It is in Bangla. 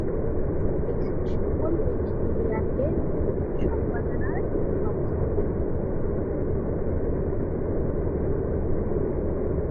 এখানে সকল উইকিপিডিয়ানদের মোট সম্পাদনার সংখ্যা টি।